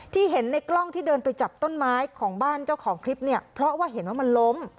เห็นในกล้องที่เดินไปจับต้นไม้ของบ้านเจ้าของคลิปเนี่ยเพราะว่าเห็นว่ามันล้ม